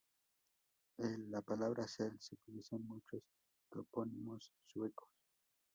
El palabra "sel" se utiliza en muchos topónimos suecos.